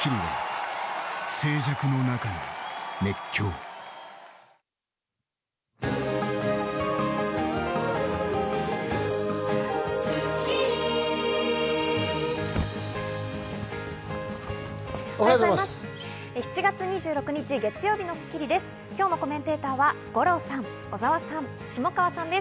７月２６日月曜日の『スッキリ』です。